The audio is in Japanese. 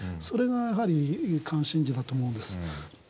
それがやはり関心事だと思うんです。